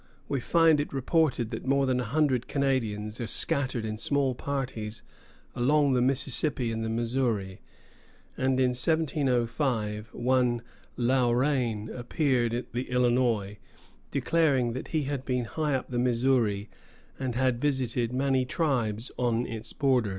] In 1704 we find it reported that more than a hundred Canadians are scattered in small parties along the Mississippi and the Missouri; [Footnote: Bienville au Ministre, 6 Sept. 1704.] and in 1705 one Laurain appeared at the Illinois, declaring that he had been high up the Missouri and had visited many tribes on its borders.